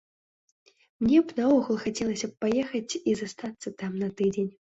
Мне б наогул хацелася б паехаць і застацца там на тыдзень.